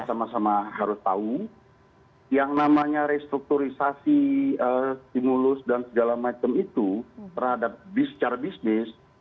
karena yang kita sama sama harus tahu yang namanya restrukturisasi stimulus dan segala macam itu terhadap bicara bisnis